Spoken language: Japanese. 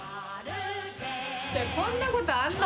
こんなことあんの？